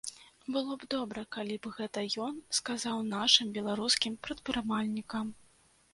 Было б добра, калі б гэта ён сказаў нашым, беларускім прадпрымальнікам.